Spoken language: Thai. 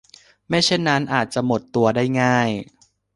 ไม่เช่นนั้นอาจจะหมดตัวได้ง่าย